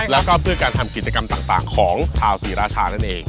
แล้วก็เพื่อการทำกิจกรรมต่างของชาวศรีราชานั่นเอง